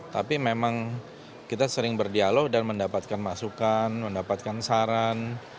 tapi memang kita sering berdialog dan mendapatkan masukan mendapatkan saran